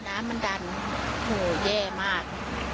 น้ำมันดันโหแย่มาก